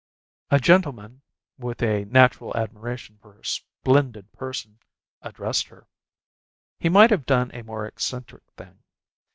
A gentleman, with a natural admiration for her splendid person, addressed her. He might have done a more eccentric thing.